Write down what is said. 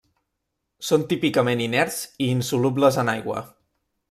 Són típicament inerts i insolubles en aigua.